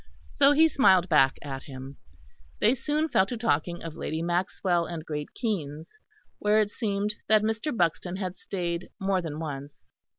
So he smiled back at him. Then soon they fell to talking of Lady Maxwell and Great Keynes, where it seemed that Mr. Buxton had stayed more than once.